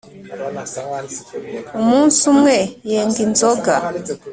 umunsi umwe yenga inzoga